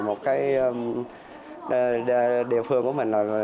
một cái địa phương của mình